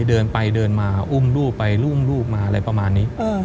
เดินไปเดินมาอุ้มลูกไปอุ้มลูกมาอะไรประมาณนี้